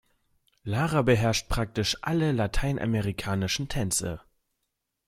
Lara beherrscht praktisch alle lateinamerikanischen Tänze.